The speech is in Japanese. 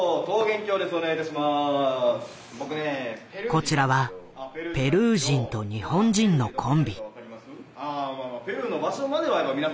こちらはペルー人と日本人のコンビ。